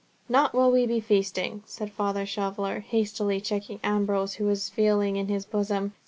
"Not while we be feasting," said Father Shoveller, hastily checking Ambrose, who was feeling in his bosom.